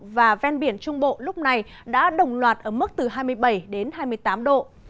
và ven biển trung bộ lúc này đã đồng loạt ở mức từ hai mươi bảy đến hai mươi tám độ